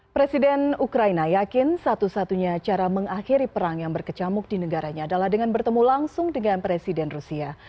presiden ukraina yakin satu satunya cara mengakhiri perang yang berkecamuk di negaranya adalah dengan bertemu langsung dengan presiden rusia